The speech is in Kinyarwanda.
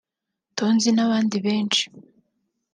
Tonzi n’abandi benshi